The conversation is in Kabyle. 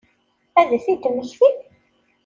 Ad t-id-temmekti?